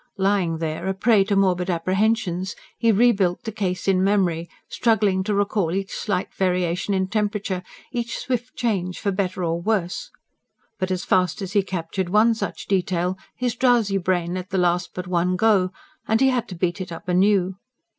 Lying there, a prey to morbid apprehensions, he rebuilt the case in memory, struggling to recall each slight variation in temperature, each swift change for better or worse; but as fast as he captured one such detail, his drowsy brain let the last but one go, and he had to beat it up anew.